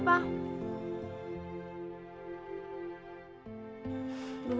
emang adik adikmu kenapa